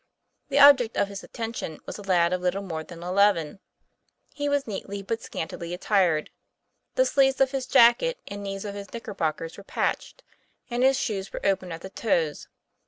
The object of his attention was a lad of little more than eleven. He was neatly but scantily attired. The sleeves of his jacket and knees of his knicker bockers were patched, and his shoes were open at the toes.